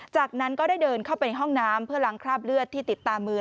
จากนั้นก็ได้เดินเข้าไปในห้องน้ำเพื่อล้างคราบเลือดที่ติดตามมือ